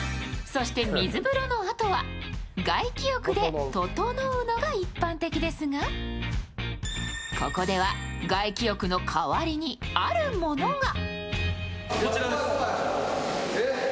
そして、水風呂のあとは外気浴でととのうのが一般的ですがここで、外気浴の代わりにあるものが。